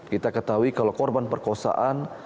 kita ketahui kalau korban perkosaan